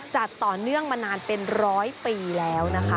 จัดต่อเนื่องมานานเป็นร้อยปีแล้วนะคะ